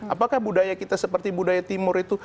apakah budaya kita seperti budaya timur itu